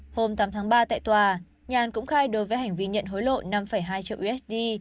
hôm tám tháng ba tại tòa nhàn cũng khai đối với hành vi nhận hối lộ năm hai triệu usd